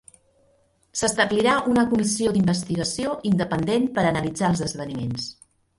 S'establirà una comissió d'investigació independent per analitzar els esdeveniments.